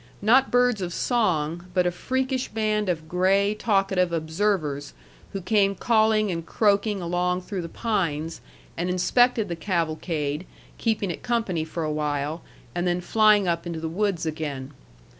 Not birds of song, but a freakish band of gray talkative observers, who came calling and croaking along through the pines, and inspected the cavalcade, keeping it company for a while, and then flying up into the woods again.